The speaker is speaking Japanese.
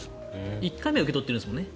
１回目は受け取っているんですよね。